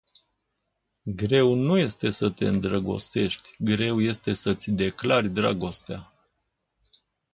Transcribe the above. Greu nu este să te îndrăgostești, greu este să-ți declari dragostea.